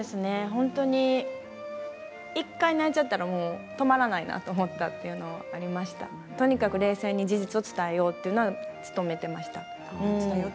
本当に１回泣いてしまったら止まらないなと思ったのでとにかく冷静に事実を伝えようと思って、努めていました。